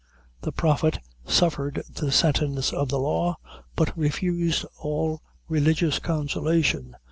The Prophet suffered the sentence of the law, but refused all religious consolation.